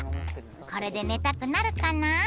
これで寝たくなるかな？